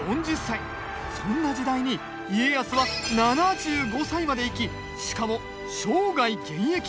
そんな時代に家康は７５歳まで生きしかも生涯現役。